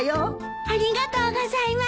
ありがとうございます。